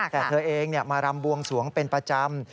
แต่เธอเองมารำบวงสวงเป็นประจำ